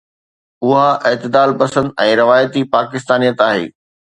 اها اعتدال پسند ۽ روايتي پاڪستانيت آهي.